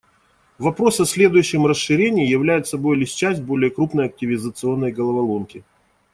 Вопрос о следующем расширении являет собой лишь часть более крупной активизационной головоломки.